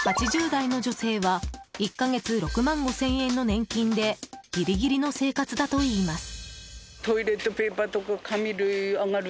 ８０代の女性は１か月６万５０００円の年金でギリギリの生活だといいます。